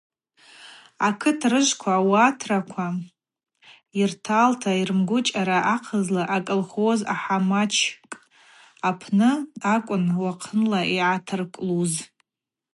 Акыт рыжвква ауатраква йырталта йрымгвычӏара ахъазла, аколхоз ахӏамачкӏ апны акӏвын уахъынла йъатаркӏлуз.